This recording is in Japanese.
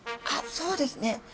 あっそうですね。